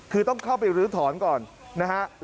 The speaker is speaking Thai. คือต้องเข้าไปลื้อถอนก่อนนะฮะ